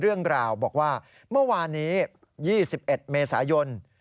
เรื่องราวบอกว่าเมื่อวานนี้๒๑เมษายน